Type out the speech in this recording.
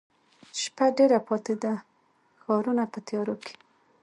شپه ډېره پاته ده ښارونه په تیاروکې،